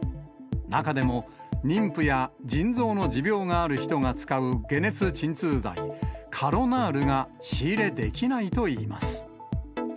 中でも、妊婦や腎臓の持病がある人が使う解熱鎮痛剤、カロナールが仕入れできないといいます。